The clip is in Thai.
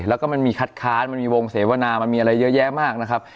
แล้วก็มันมีคัดค้านมันมีวงเสวนามันมีอะไรเยอะแยะมากนะครับ